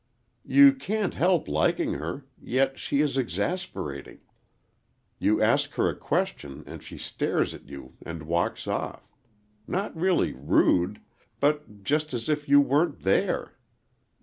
"You can't help liking her,—yet she is exasperating. You ask her a question, and she stares at you and walks off. Not really rude,—but just as if you weren't there!